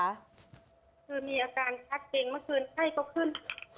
คือมีอาการชักเกงเมื่อคืนไข้เขาขึ้น